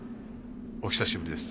お久しぶりです